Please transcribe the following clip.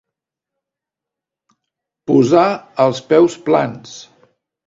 Posar els peus plans.